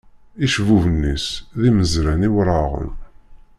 Icebbuben-is, d imezran iwraɣen.